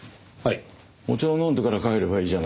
お茶を飲んでから帰ればいいじゃないか。